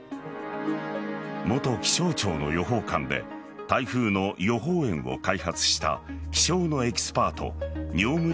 元気象庁の予報官で台風の予報円を開発した気象のエキスパート・饒村